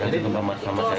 yang di kamar sama saya